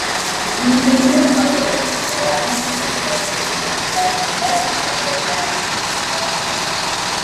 The Green Ranger's powers were rapidly deteriorating, but Zedd's efforts had enhanced the process.